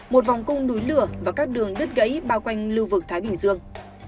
một vòng cung núi lửa và các đường đứt gãy bao quanh lưu vực thái bình dương